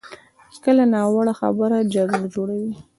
کله ناوړه خبره جګړه جوړوي.